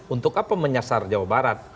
untuk apa menyasar jawa barat